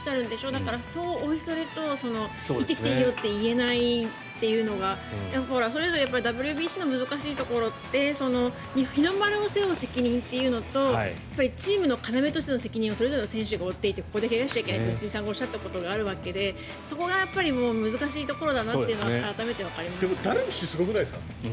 だから、そうおいそれと行ってきていいよって言えないというのがそれぞれＷＢＣの難しいところって日の丸を背負う責任とチームの要としての責任それぞれの選手が言っていてここで怪我しちゃいけないと鈴木選手も言っていましたがそこが難しいところだなというのはでも、ダルビッシュすごくないですか？